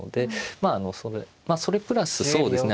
まあそれプラスそうですね